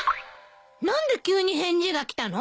何で急に返事が来たの？